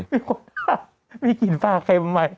นี่คุณฮะมีกลิ่นปลาเค็มไหม